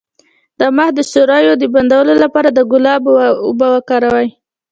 د مخ د سوریو د بندولو لپاره د ګلاب اوبه وکاروئ